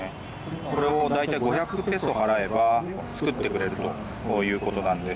これを大体５００ペソ払えば作ってくれるということです。